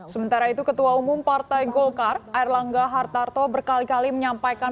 sementara itu ketua umum partai golkar air langga hartarto berkali kali menyampaikan